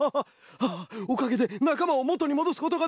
ああおかげでなかまをもとにもどすことができます！